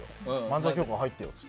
漫才協会入ってよって。